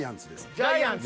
ジャイアンツ。